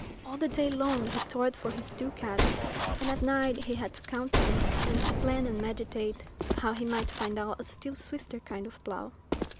All the day long he toiled for his ducats, and at night he had to count them, and to plan and meditate how he might find out a still swifter kind of plough.